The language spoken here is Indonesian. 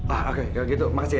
ah oke kalau gitu makasih ya